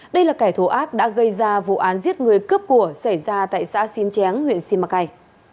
đây là kẻ thù ác đã gây ra vụ án giết người cướp của xảy ra tại xã xin chén huyện simacai